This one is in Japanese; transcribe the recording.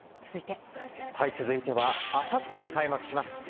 続いては、あさって開幕します